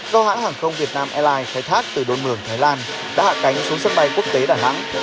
do hãng hàng không việt nam airlines khai thác từ đôn mường thái lan đã hạ cánh xuống sân bay quốc tế đà nẵng